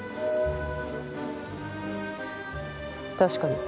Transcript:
確かに。